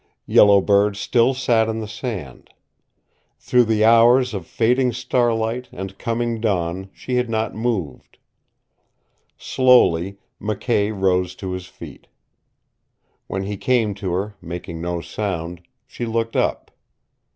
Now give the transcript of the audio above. Yellow Bird still sat in the sand. Through the hours of fading starlight and coming dawn she had not moved. Slowly McKay rose to his feet. When he came to her, making no sound, she looked up.